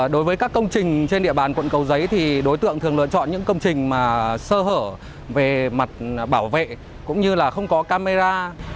đối với các công trình trên địa bàn quận cầu giấy thì đối tượng thường lựa chọn những công trình mà sơ hở về mặt bảo vệ cũng như là không có camera